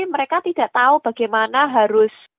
mereka tidak tahu bagaimana harus